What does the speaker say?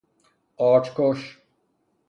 قارچ کش